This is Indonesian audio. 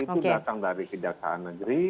itu datang dari kejaksaan negeri